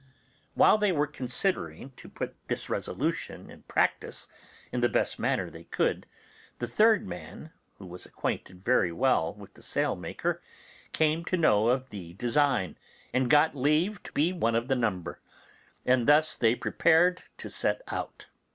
While they were considering to put this resolution in practice in the best manner they could, the third man, who was acquainted very well with the sailmaker, came to know of the design, and got leave to be one of the number; and thus they prepared to set out.